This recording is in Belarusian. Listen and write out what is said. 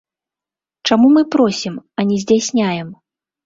Чаму мы просім, а не здзяйсняем?